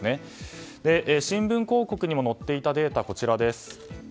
新聞広告にも載っていたデータがこちらです。